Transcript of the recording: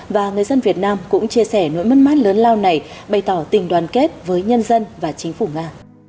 và người dân việt nam cũng chia sẻ nỗi mất mát lớn lao này bày tỏ tình đoàn kết với nhân dân và chính phủ nga